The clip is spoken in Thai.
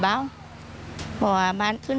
นอนมันบีเชิง